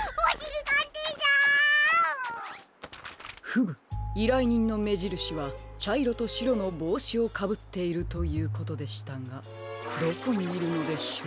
フムいらいにんのめじるしはちゃいろとしろのぼうしをかぶっているということでしたがどこにいるのでしょう？